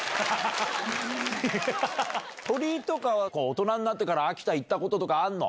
鳥居とかは、大人になってから秋田行ったこととかあんの？